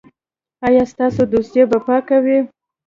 ایا ستاسو دوسیه به پاکه وي؟